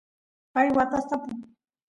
pay watas tapu